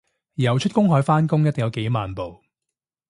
游出公海返工一定有幾萬步